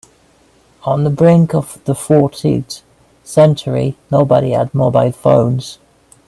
On the brink of the fourteenth century, nobody had mobile phones.